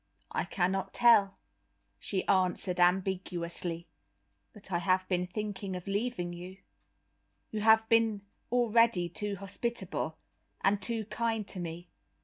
"I cannot tell," she answered ambiguously, "but I have been thinking of leaving you; you have been already too hospitable and too kind to me.